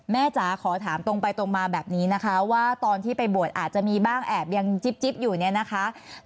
จ๋าขอถามตรงไปตรงมาแบบนี้นะคะว่าตอนที่ไปบวชอาจจะมีบ้างแอบยังจิ๊บอยู่เนี่ยนะคะ